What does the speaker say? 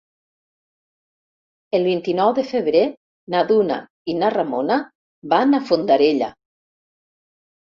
El vint-i-nou de febrer na Duna i na Ramona van a Fondarella.